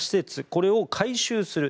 これを改修する。